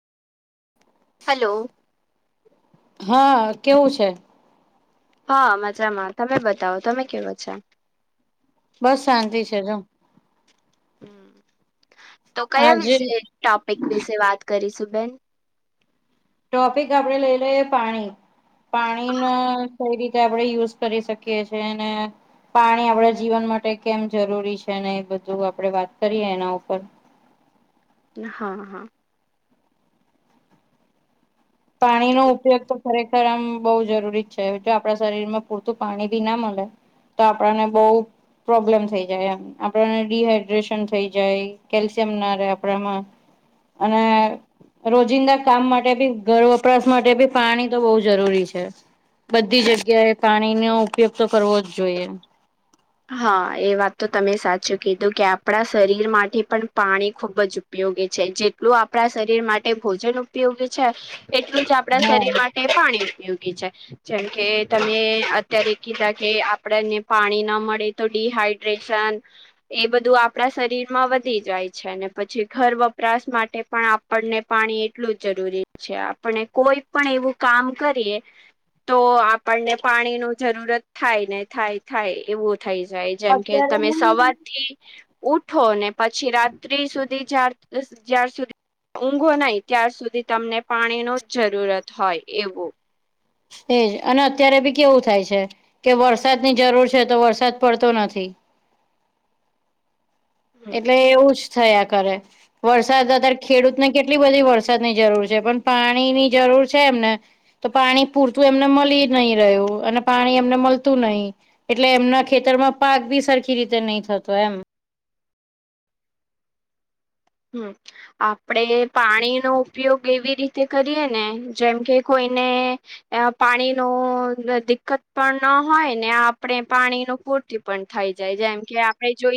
hello હા કેવું છે હા મજરામાં તમે બતાવો તમે કેવો છેો બસ શાંતિ છે તમ હ તો કયા આજે વિશે ટોપિક વિશે વાત કરીશું બેન ટોપિક આપણે લઈ લઈએ પાણી પાણી ન કઈ રીતે આપણે યુઝ કરી શકીએ છે અને પાણી આપડા જીવન માટે કેમ જરૂરી છે ને એ બધું આપડે વાત કરીએ એના ઉપર હા હા પાણી નો ઉપયોગ ખરેખર આમ બહુ જરૂરી છે જો આપણા શરીર માં પૂરતું પાણી ભી ના મળે તો આપણને બહ પ્રોબ્લેમ થઈ જાયમ આપણાને ડડીહાઈડ્રેશન થઈ જાય કેલ્શિયમ ના ર આપણામાં અને રોજિંદા કામ માટે બી ઘર વપરાશ માટે બી પાણી તો બહુ જરૂરી છે બધી જગ્યાએ પાણીનોો ઉપયોગ તો કરવો જ જોઈએ હા એ વાત તો તમે સાચું કીધું કે આપણા શરીર માટે પણ પાણી ખુબ જ ઉપયોગી છે જેટલું આપણા શરીર માટે ભોજન ઉપયોગી છે એટલું જ આપણા હા શરીર માટે તે પાણી ઉપયોગી છે જેમ કે તમે અત્યારે કીધા કે આપડને પાણી ના મળે તો િહાઈડ્રેશન એ બધું આપણા શરીર માં વધી જાય છે અને પછી ઘર વપરાશ માટે પણ આપણને પાણી એટલું જરૂરી છે આપને કોઈ પણ એવું કામ કરીએ તો આપણને પાણી ન જરૂરત થાય ને થાય થાય એવું થઈ જાય જેમ કે અત્યારે તમે ને સવાર થી ઉઠો ને પછી રાત્રિ સુધી જાર જ્યાર સુધી ઊંઘો નહી ત્યાાર સુધી તમને પાણી ન જ જરૂરત હોય એવું એજ અને અત્યારે ભી કેવું થાય છે કે વરસાદની જરૂર છે તો વરસાદ પડતો નથી હમ એટલે એવું જ થયા કરે વરસાદ અત્યારે ખેડૂતને કેટલી બધી વરસાદની જરૂર છે પણ પાણીની જરૂર છે એમને તો પાણી પૂરતું એમને મળી નહી રહ્યું અને પાણી એમને મળતું નહી એટલે એમના ખેતરમાં પાક બી સરખી રીતે નહી થતો એમ હમ આપડે પાણીનોો ઉપયોગ એવી રીતે કરીએ ને જેમ કે કોઈને પાણી ન દિકકત પણ ન હોય ને આપણે પાણી ન પૂરતી પણ થઈ જાય જેમ કે આપણે જોઈ